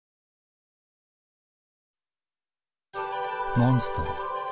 モンストロ。